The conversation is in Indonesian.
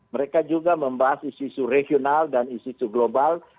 mereka juga membahas isu isu regional dan isu global